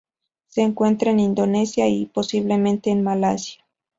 Se encuentra en Indonesia y, posiblemente en Malasia.